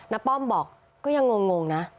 ป้อมบอกก็ยังงงนะ